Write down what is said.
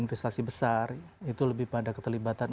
investasi besar itu lebih pada keterlibatan